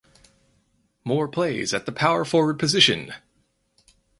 Moore plays at the power forward position.